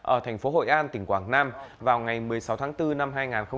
ở thành phố hội an tỉnh quảng nam vào ngày một mươi sáu tháng bốn năm hai nghìn hai mươi